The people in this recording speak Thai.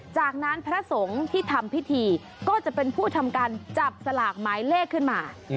จากนั้นพระสงฆ์ที่ทำพิธีก็จะเป็นผู้ทำการจับสลากหมายเลขขึ้นมา